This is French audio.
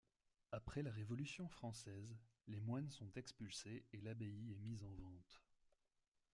Après la Révolution française, les moines sont expulsés et l'abbaye est mise en vente.